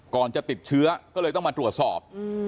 ก่อนจะติดเชื้อก็เลยต้องมาตรวจสอบ